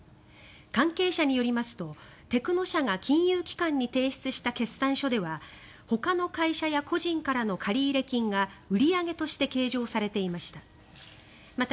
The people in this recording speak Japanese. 関係者によりますとテクノ社が金融機関に提出した決算書ではほかの会社や個人からの借入金が売り上げとして計上されていました。